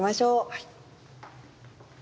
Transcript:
はい。